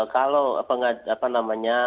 kalau apa namanya keluhan ya